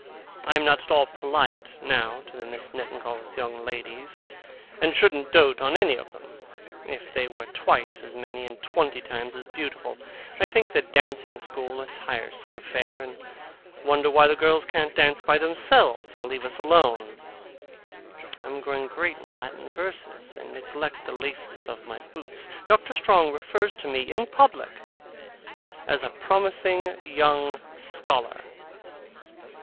I am not at all polite, now, to the Misses Nettingalls' young ladies, and shouldn't dote on any of them, if they were twice as many and twenty times as beautiful. I think the dancing school a tiresome affair, and wonder why the girls can't dance by themselves and leave us alone. I am growing great in Latin verses, and neglect the laces of my boots. Doctor Strong refers to me in public as a promising young scholar.